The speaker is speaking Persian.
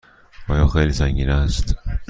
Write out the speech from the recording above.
آیا خیلی سنگین است؟